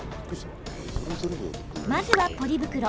まずはポリ袋。